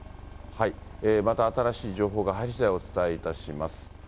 また新しい情報が入りしだい、お伝えいたします。